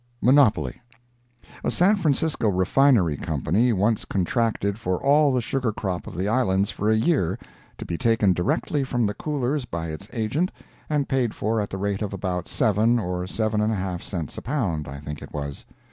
] MONOPOLY A San Francisco refinery company once contracted for all the sugar crop of the Islands for a year, to be taken directly from the coolers by its agent and paid for at the rate of about seven or seven and a half cents a pound, I think it was.